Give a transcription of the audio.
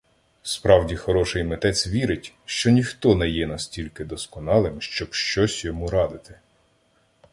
Справді хороший митець вірить, що ніхто не є настільки досконалим, щоб щось йому радити.